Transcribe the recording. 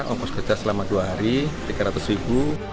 umpus kerja selama dua hari rp tiga ratus